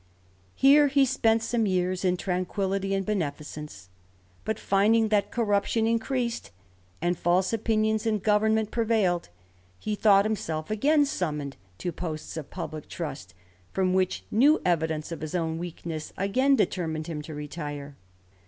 Here he spent some years in tranquillity and beneficence; but finding that corruption increased, and false opinions in government prevailed, he thought himself again summoned to posts of publick trust, from which new evidence of his own weakness again determined him to retire.